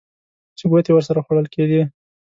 چې ګوتې ورسره خوړل کېدې.